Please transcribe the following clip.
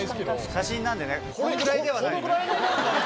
写真なんでねこれぐらいではない。